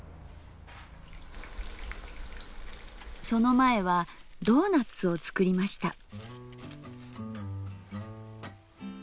その前は「ドーナッツ」を作りました。